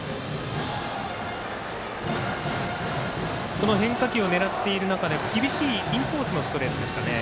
その変化球を狙っている中で厳しいインコースのストレート。